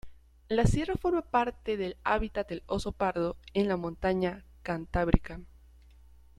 La sierra forma parte del hábitat del oso pardo en la montaña cantábrica.